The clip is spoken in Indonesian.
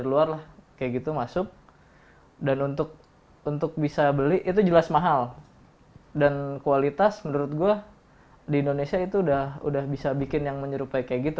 ya nikmatin aja sih prosesnya gitu